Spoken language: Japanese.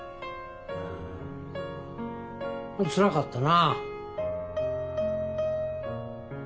つらかったな。